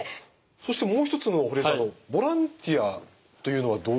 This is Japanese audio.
そしてもう一つの堀江さんあのボランティアというのはどういうことですか？